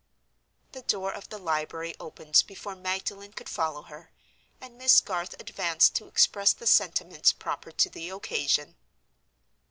The door of the library opened, before Magdalen could follow her; and Miss Garth advanced to express the sentiments proper to the occasion.